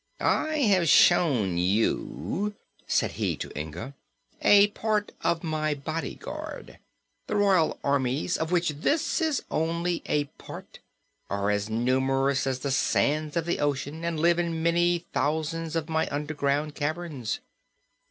"I have shown you," said he to Inga, "a part of my bodyguard. The royal armies, of which this is only a part, are as numerous as the sands of the ocean, and live in many thousands of my underground caverns.